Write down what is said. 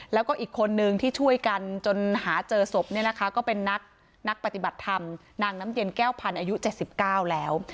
แล้วก็อีกคนนึงที่ช่วยกันจนหาเจอศพเนี่ยนะคะก็เป็นนักปฏิบัติธรรมนางน้ำเย็นแก้วพันธ์อายุ๗๙แล้ว